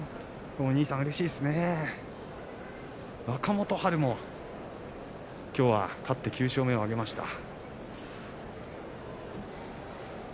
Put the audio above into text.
若元春もきょうは勝って９勝目を挙げました。